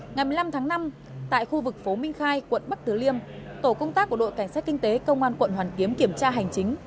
ngày một mươi năm tháng năm tại khu vực phố minh khai quận bắc tứ liêm tổ công tác của đội cảnh sát kinh tế công an quận hoàn kiếm kiểm tra hành chính